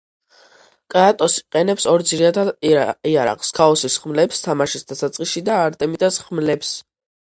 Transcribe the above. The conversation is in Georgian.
კრატოსი იყენებს ორ ძირითად იარაღს: „ქაოსის ხმლებს“ თამაშის დასაწყისში და „არტემიდას ხმლებს“.